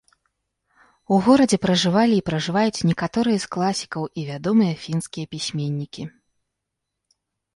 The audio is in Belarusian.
У горадзе пражывалі і пражываюць некаторыя з класікаў і вядомыя фінскія пісьменнікі.